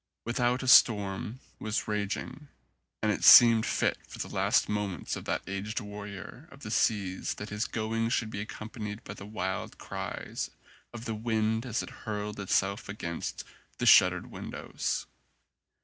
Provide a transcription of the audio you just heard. Without a storm was raging and it seemed fit for the last moments of that aged warrior of the seas that his going should be accompanied by the wild cries of the wind as it hurled itself against the shuttered windows.